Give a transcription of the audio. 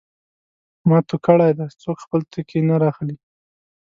ما تو کړی دی؛ څوک خپل توکی نه رااخلي.